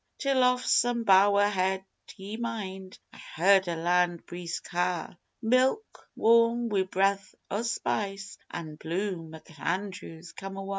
Till, off Sumbawa Head, Ye mind, I heard a land breeze ca' Milk warm wi' breath o' spice an' bloom: "McAndrews, come awa'!"